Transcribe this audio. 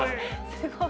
すごい。